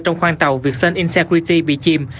trong khoang tàu vietsun insecurity bị chìm